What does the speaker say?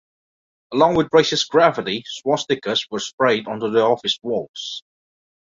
Along with racist graffiti, swastikas were sprayed onto the office walls.